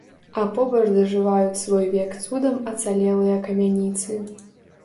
А побач дажываюць свой век цудам ацалелыя камяніцы.